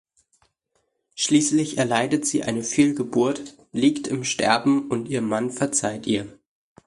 Schließlich erleidet sie eine Fehlgeburt, liegt im Sterben und ihr Mann verzeiht ihr.